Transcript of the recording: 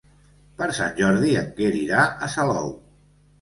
Per Sant Jordi en Quer irà a Salou.